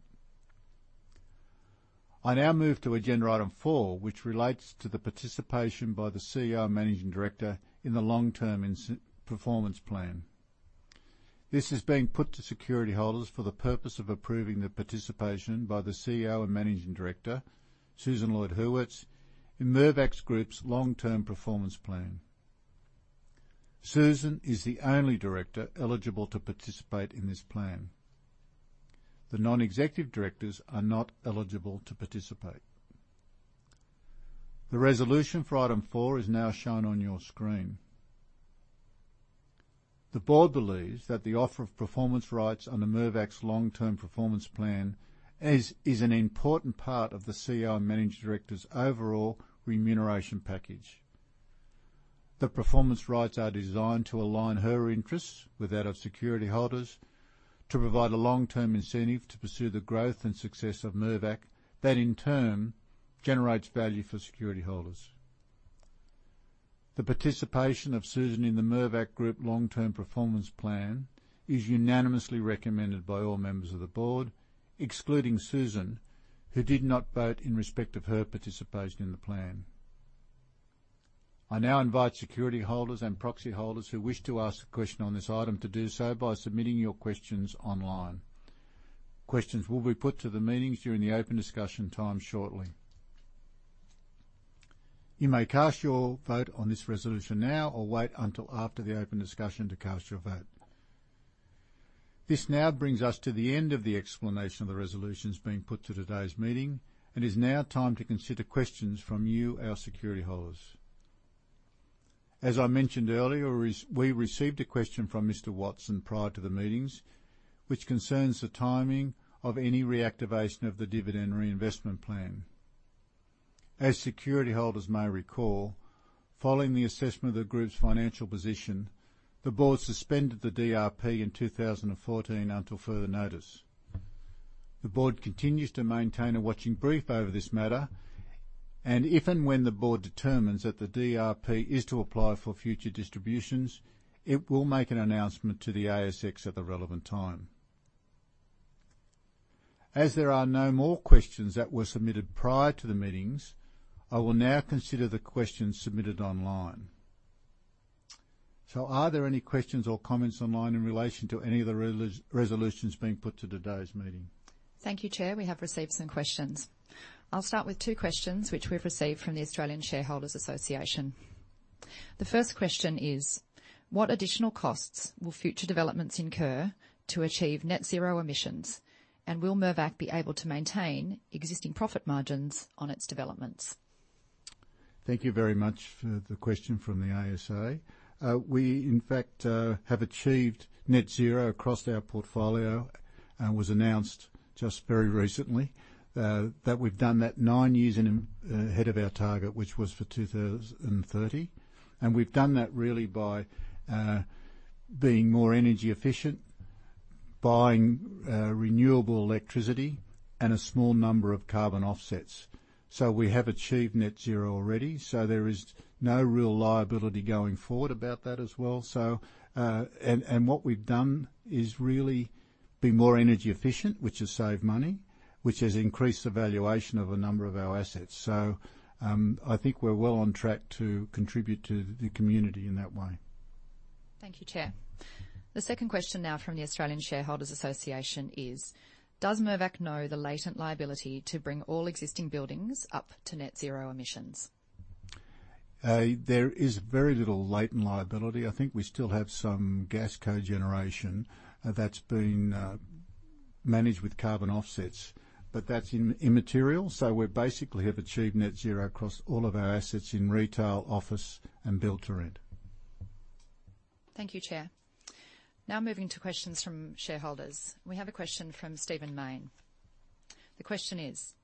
I now move to agenda item four, which relates to the participation by the CEO and Managing Director in the long-term performance plan. This is being put to security holders for the purpose of approving the participation by the CEO and Managing Director, Susan Lloyd-Hurwitz, in Mirvac Group's long-term performance plan. Susan is the only director eligible to participate in this plan. The non-executive directors are not eligible to participate. The resolution for item four is now shown on your screen. The board believes that the offer of performance rights under Mirvac's long-term performance plan is an important part of the CEO and Managing Director's overall remuneration package. The performance rights are designed to align her interests with that of security holders to provide a long-term incentive to pursue the growth and success of Mirvac that, in turn, generates value for security holders. The participation of Susan in the Mirvac Group long-term performance plan is unanimously recommended by all members of the board, excluding Susan, who did not vote in respect of her participation in the plan. I now invite security holders and proxy holders who wish to ask a question on this item to do so by submitting your questions online. Questions will be put to the meetings during the open discussion time shortly. You may cast your vote on this resolution now or wait until after the open discussion to cast your vote. This now brings us to the end of the explanation of the resolutions being put to today's meeting, and it is now time to consider questions from you, our security holders. As I mentioned earlier, we received a question from Mr. Watson prior to the meeting, which concerns the timing of any reactivation of the dividend reinvestment plan. As security holders may recall, following the assessment of the group's financial position, the board suspended the DRP in 2014 until further notice. The board continues to maintain a watching brief over this matter, and if and when the board determines that the DRP is to apply for future distributions, it will make an announcement to the ASX at the relevant time. As there are no more questions that were submitted prior to the meetings, I will now consider the questions submitted online. Are there any questions or comments online in relation to any of the resolutions being put to today's meeting? Thank you, Chair. We have received some questions. I'll start with two questions which we've received from the Australian Shareholders' Association. The first question is what additional costs will future developments incur to achieve net zero emissions, and will Mirvac be able to maintain existing profit margins on its developments? Thank you very much for the question from the ASA. We in fact have achieved net zero across our portfolio, which was announced just very recently, that we've done that nine years ahead of our target, which was for 2030. We've done that really by being more energy efficient, buying renewable electricity and a small number of carbon offsets. We have achieved net zero already, so there is no real liability going forward about that as well. What we've done is really be more energy efficient, which has saved money, which has increased the valuation of a number of our assets. I think we're well on track to contribute to the community in that way. Thank you, Chair. The second question now from the Australian Shareholders' Association is: Does Mirvac know the latent liability to bring all existing buildings up to net zero emissions? There is very little latent liability. I think we still have some gas cogeneration that's been managed with carbon offsets. That's immaterial, so we basically have achieved net zero across all of our assets in retail, office, and build to rent. Thank you, Chair. Now moving to questions from shareholders. We have a question from Stephen Mayne. The question is: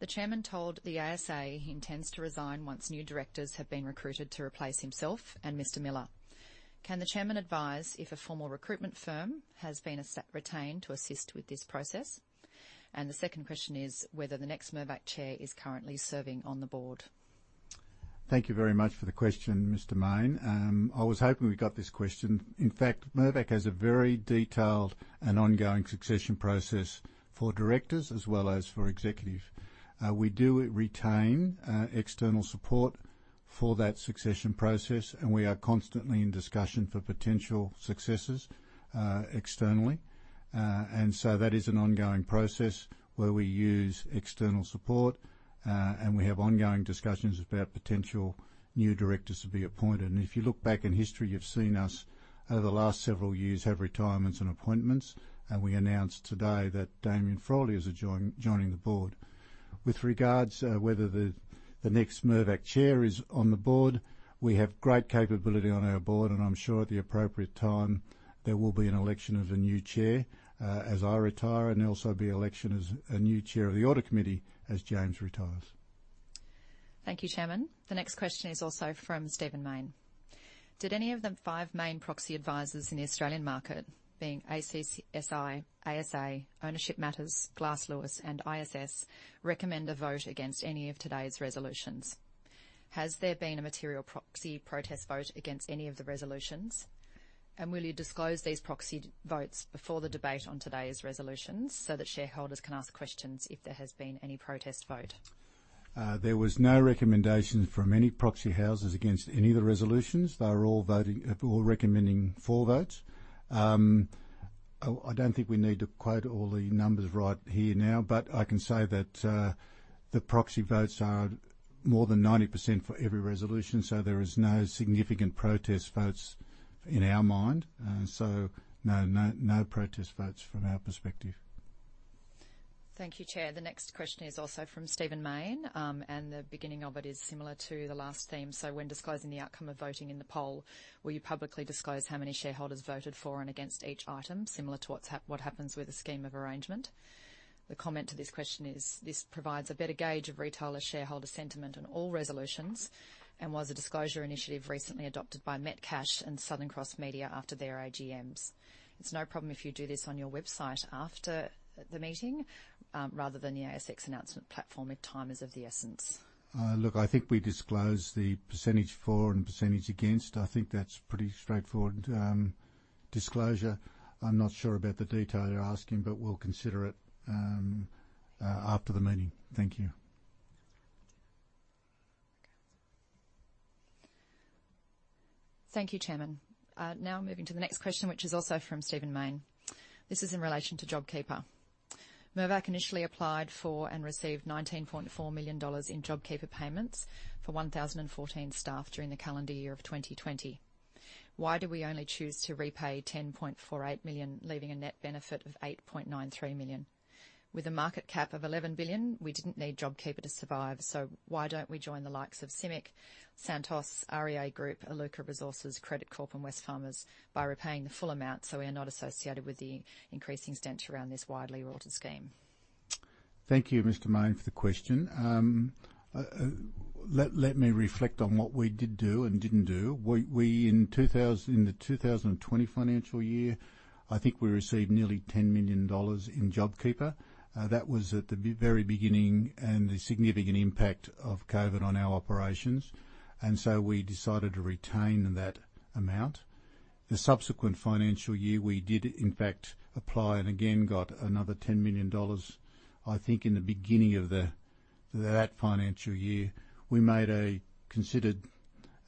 The Chairman told the ASA he intends to resign once new directors have been recruited to replace himself and Mr. Millar. Can the Chairman advise if a formal recruitment firm has been retained to assist with this process? And the second question is whether the next Mirvac Chair is currently serving on the board. Thank you very much for the question, Mr. Mayne. I was hoping we'd got this question. In fact, Mirvac has a very detailed and ongoing succession process for directors as well as for executive. We do retain external support for that succession process, and we are constantly in discussion for potential successors externally. That is an ongoing process where we use external support, and we have ongoing discussions about potential new directors to be appointed. If you look back in history, you've seen us over the last several years have retirements and appointments. We announced today that Damien Frawley is joining the board. With regard to whether the next Mirvac Chair is on the Board, we have great capability on our Board, and I'm sure at the appropriate time there will be an election of a new Chair as I retire, and also an election of a new Chair of the Audit Committee as James retires. Thank you, Chairman. The next question is also from Stephen Mayne. Did any of the five main proxy advisors in the Australian market, being ACSI, ASA, Ownership Matters, Glass Lewis, and ISS, recommend a vote against any of today's resolutions? Has there been a material proxy protest vote against any of the resolutions? Will you disclose these proxy votes before the debate on today's resolutions so that shareholders can ask questions if there has been any protest vote? There was no recommendations from any proxy houses against any of the resolutions. They were all voting, all recommending for votes. I don't think we need to quote all the numbers right here now, but I can say that the proxy votes are more than 90% for every resolution, so there is no significant protest votes in our mind. No protest votes from our perspective. Thank you, Chair. The next question is also from Stephen Mayne, and the beginning of it is similar to the last theme. When disclosing the outcome of voting in the poll, will you publicly disclose how many shareholders voted for and against each item, similar to what happens with a scheme of arrangement? The comment to this question is. This provides a better gauge of retail shareholder sentiment on all resolutions and was a disclosure initiative recently adopted by Metcash and Southern Cross Media after their AGMs. It's no problem if you do this on your website after the meeting, rather than the ASX announcement platform if time is of the essence. Look, I think we disclose the percentage for and percentage against. I think that's pretty straightforward disclosure. I'm not sure about the detail you're asking, but we'll consider it after the meeting. Thank you. Thank you, Chairman. Now moving to the next question, which is also from Stephen Mayne. This is in relation to JobKeeper. Mirvac initially applied for and received 19.4 million dollars in JobKeeper payments for 1,014 staff during the calendar year of 2020. Why do we only choose to repay 10.48 million, leaving a net benefit of 8.93 million? With a market cap of 11 billion, we didn't need JobKeeper to survive, so why don't we join the likes of CIMIC, Santos, REA Group, Iluka Resources, Credit Corp, and Wesfarmers by repaying the full amount so we are not associated with the increasing stench around this widely rorted scheme? Thank you, Mr. Mayne, for the question. Let me reflect on what we did do and didn't do. We in the 2020 financial year, I think we received nearly 10 million dollars in JobKeeper. That was at the very beginning and the significant impact of COVID on our operations. We decided to retain that amount. The subsequent financial year, we did in fact apply and again got another 10 million dollars. I think in the beginning of that financial year, we made a considered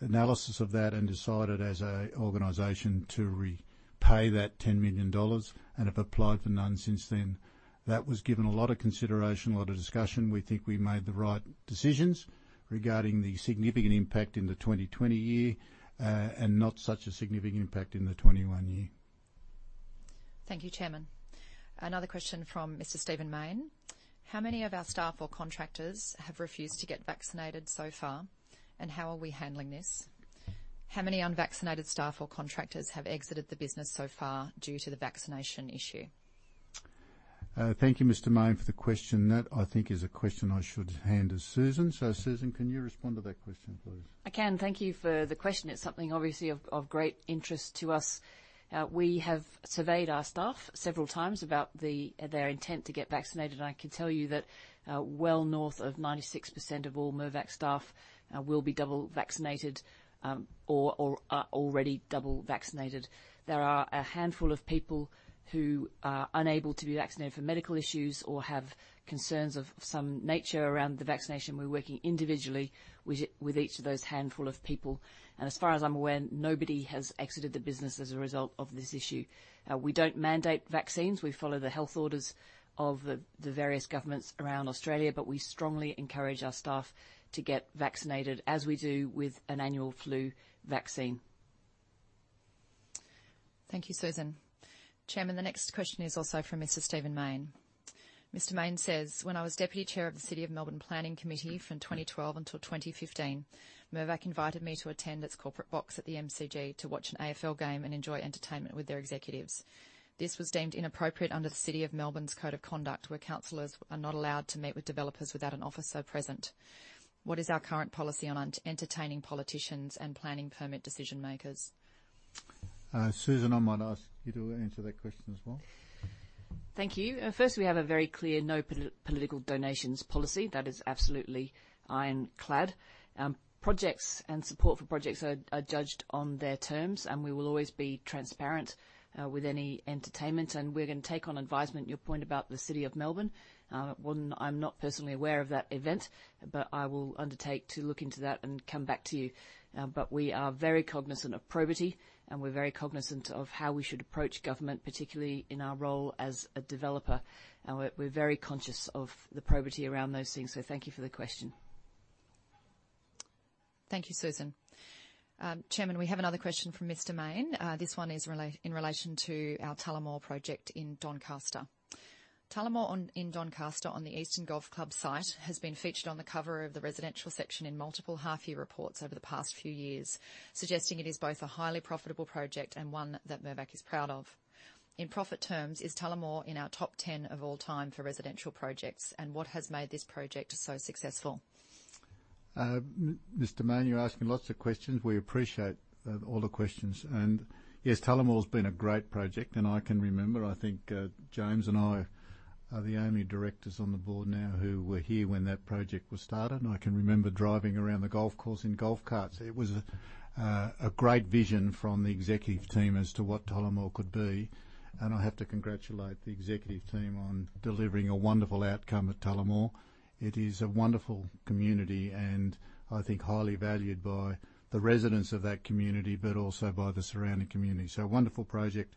analysis of that and decided as an organization to repay that 10 million dollars and have applied for none since then. That was given a lot of consideration, a lot of discussion. We think we made the right decisions regarding the significant impact in the 2020 year, and not such a significant impact in the 2021 year. Thank you, Chairman. Another question from Mr. Stephen Mayne. How many of our staff or contractors have refused to get vaccinated so far, and how are we handling this? How many unvaccinated staff or contractors have exited the business so far due to the vaccination issue? Thank you, Mr. Mayne, for the question. That, I think, is a question I should hand to Susan. Susan, can you respond to that question, please? I can. Thank you for the question. It's something obviously of great interest to us. We have surveyed our staff several times about their intent to get vaccinated, and I can tell you that well north of 96% of all Mirvac staff will be double vaccinated or are already double vaccinated. There are a handful of people who are unable to be vaccinated for medical issues or have concerns of some nature around the vaccination. We're working individually with each of those handful of people, and as far as I'm aware, nobody has exited the business as a result of this issue. We don't mandate vaccines. We follow the health orders of the various governments around Australia, but we strongly encourage our staff to get vaccinated as we do with an annual flu vaccine. Thank you, Susan. Chairman, the next question is also from Mr. Stephen Mayne. Mr. Mayne says, "When I was deputy chair of the City of Melbourne Planning Committee from 2012 until 2015, Mirvac invited me to attend its corporate box at the MCG to watch an AFL game and enjoy entertainment with their executives. This was deemed inappropriate under the City of Melbourne's code of conduct, where councillors are not allowed to meet with developers without an officer present. What is our current policy on entertaining politicians and planning permit decision-makers?" Susan, I might ask you to answer that question as well. Thank you. First, we have a very clear no political donations policy that is absolutely ironclad. Projects and support for projects are judged on their terms, and we will always be transparent with any entertainment, and we're gonna take on advisement your point about the City of Melbourne. One, I'm not personally aware of that event, but I will undertake to look into that and come back to you. We are very cognizant of probity, and we're very cognizant of how we should approach government, particularly in our role as a developer. We're very conscious of the probity around those things. Thank you for the question. Thank you, Susan. Chairman, we have another question from Mr. Mayne. This one is in relation to our Tullamore project in Doncaster. Tullamore in Doncaster on the Eastern Golf Club site has been featured on the cover of the residential section in multiple half-year reports over the past few years, suggesting it is both a highly profitable project and one that Mirvac is proud of. In profit terms, is Tullamore in our top ten of all time for residential projects, and what has made this project so successful? Mr. Mayne, you're asking lots of questions. We appreciate all the questions. Yes, Tullamore's been a great project, and I can remember, I think, James and I are the only directors on the board now who were here when that project was started, and I can remember driving around the golf course in golf carts. It was a great vision from the executive team as to what Tullamore could be, and I have to congratulate the executive team on delivering a wonderful outcome at Tullamore. It is a wonderful community and I think highly valued by the residents of that community, but also by the surrounding community. A wonderful project.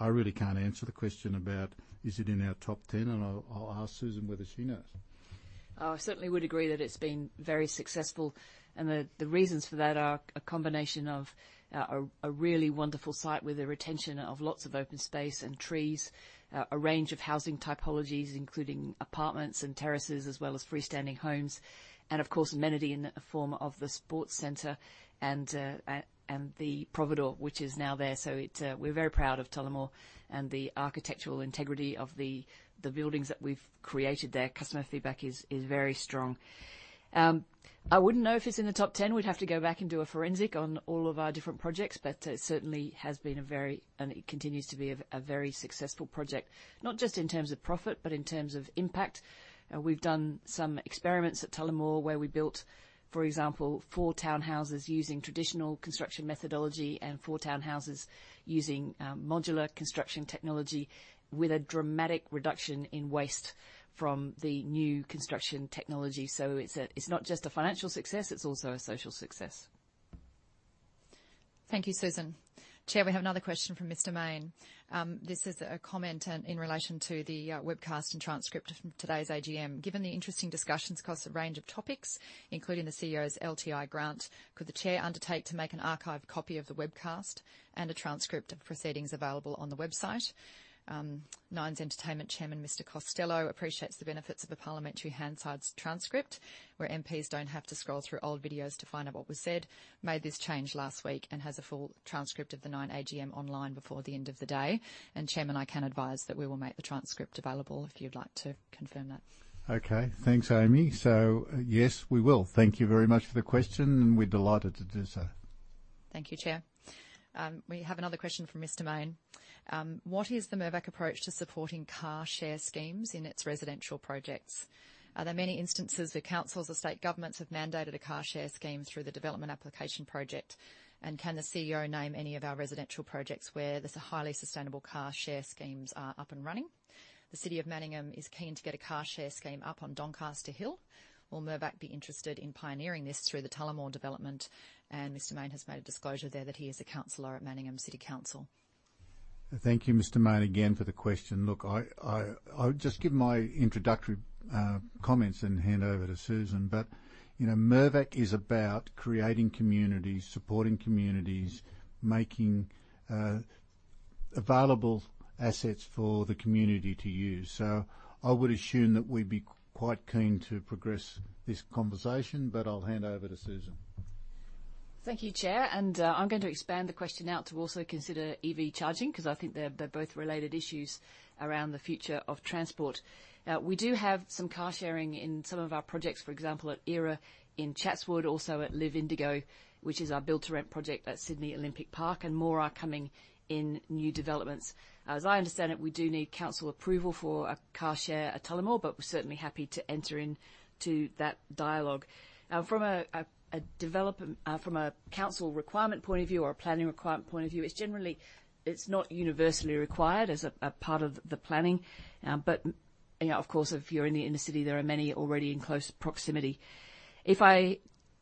I really can't answer the question about is it in our top ten, and I'll ask Susan whether she knows. I certainly would agree that it's been very successful, and the reasons for that are a combination of a really wonderful site with the retention of lots of open space and trees. A range of housing typologies, including apartments and terraces, as well as freestanding homes, and of course, amenity in the form of the sports center and the providore, which is now there. We're very proud of Tullamore and the architectural integrity of the buildings that we've created there. Customer feedback is very strong. I wouldn't know if it's in the top 10. We'd have to go back and do a forensic on all of our different projects, but it certainly has been a very successful project, and it continues to be a very successful project, not just in terms of profit, but in terms of impact. We've done some experiments at Tullamore, where we built, for example, four townhouses using traditional construction methodology and four townhouses using modular construction technology with a dramatic reduction in waste from the new construction technology. It's not just a financial success, it's also a social success. Thank you, Susan. Chair, we have another question from Mr. Mayne. This is a comment in relation to the webcast and transcript from today's AGM. Given the interesting discussions across a range of topics, including the CEO's LTI grant, could the Chair undertake to make an archived copy of the webcast and a transcript of proceedings available on the website? Nine Entertainment Chairman, Mr. Costello, appreciates the benefits of the parliamentary Hansard’s transcript, where MPs don't have to scroll through old videos to find out what was said, made this change last week, and has a full transcript of the Nine AGM online before the end of the day. Chairman, I can advise that we will make the transcript available if you'd like to confirm that. Okay. Thanks, Amy. Yes, we will. Thank you very much for the question, and we're delighted to do so. Thank you, Chair. We have another question from Mr. Mayne. What is the Mirvac approach to supporting car share schemes in its residential projects? Are there many instances where councils or state governments have mandated a car share scheme through the development application project? Can the CEO name any of our residential projects where there's a highly sustainable car share schemes are up and running? The City of Manningham is keen to get a car share scheme up on Doncaster Hill. Will Mirvac be interested in pioneering this through the Tullamore development? Mr. Mayne has made a disclosure there that he is a councilor at Manningham City Council. Thank you, Mr. Mayne, again for the question. Look, I'll just give my introductory comments and hand over to Susan. You know, Mirvac is about creating communities, supporting communities, making available assets for the community to use. I would assume that we'd be quite keen to progress this conversation, but I'll hand over to Susan. Thank you, Chair. I'm going to expand the question out to also consider EV charging 'cause I think they're both related issues around the future of transport. We do have some car sharing in some of our projects, for example, at Era in Chatswood, also at LIV Indigo, which is our build-to-rent project at Sydney Olympic Park, and more are coming in new developments. As I understand it, we do need council approval for a car share at Tullamore, but we're certainly happy to enter into that dialogue. From a council requirement point of view or a planning requirement point of view, it's generally not universally required as a part of the planning. You know, of course, if you're in the inner city, there are many already in close proximity. If I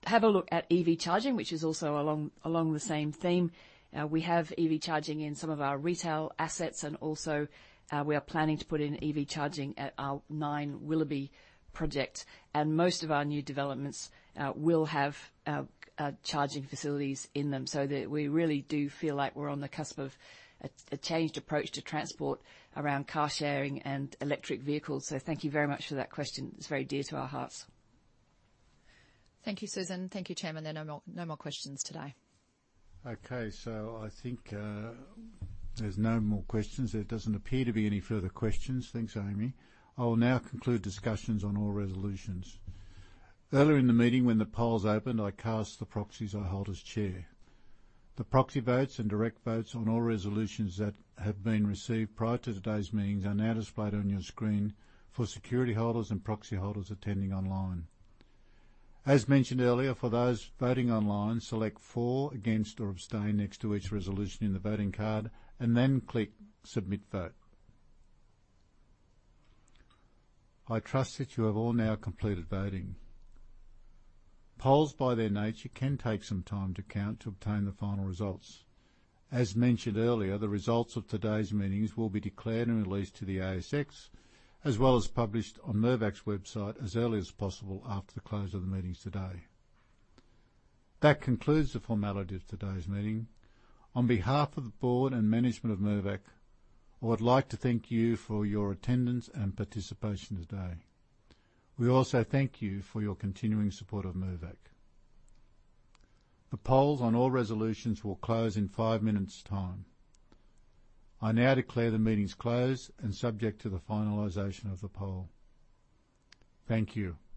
have a look at EV charging, which is also along the same theme, we have EV charging in some of our retail assets and also, we are planning to put in EV charging at our Nine Willoughby project. Most of our new developments will have charging facilities in them so that we really do feel like we're on the cusp of a changed approach to transport around car sharing and electric vehicles. Thank you very much for that question. It's very dear to our hearts. Thank you, Susan. Thank you, Chairman. There are no more questions today. Okay. I think there's no more questions. There doesn't appear to be any further questions. Thanks, Amy. I will now conclude discussions on all resolutions. Earlier in the meeting, when the polls opened, I cast the proxies I hold as Chair. The proxy votes and direct votes on all resolutions that have been received prior to today's meetings are now displayed on your screen for security holders and proxy holders attending online. As mentioned earlier, for those voting online, select for, against, or abstain next to each resolution in the voting card and then click Submit Vote. I trust that you have all now completed voting. Polls by their nature can take some time to count to obtain the final results. As mentioned earlier, the results of today's meetings will be declared and released to the ASX as well as published on Mirvac's website as early as possible after the close of the meetings today. That concludes the formality of today's meeting. On behalf of the Board and management of Mirvac, I would like to thank you for your attendance and participation today. We also thank you for your continuing support of Mirvac. The polls on all resolutions will close in five minutes' time. I now declare the meeting's closed and subject to the finalization of the poll. Thank you.